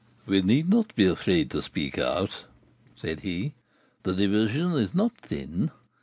"We need not be afraid to speak out," said he; "the division is not thin.